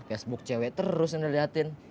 facebook cewek terus ini dilihatin